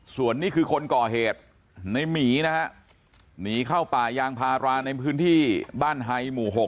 ส่วนนี้คือคนก่อเหตุในหมีนะฮะหนีเข้าป่ายางพาราในพื้นที่บ้านไฮหมู่๖